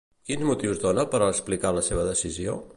Quins motius dona per a explicar la seva decisió?